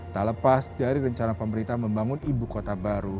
tak lepas dari rencana pemerintah membangun ibu kota baru